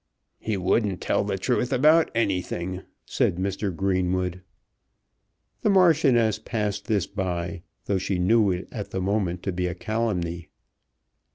"He wouldn't tell the truth about anything," said Mr. Greenwood. The Marchioness passed this by, though she knew it at the moment to be calumny.